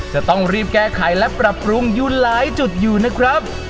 จะต้องรีบแก้ไขและปรับปรุงอยู่หลายจุดอยู่นะครับ